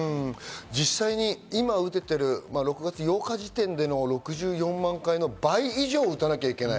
実際に今、打てている６月８日時点での６４万回の倍以上打たなきゃいけない。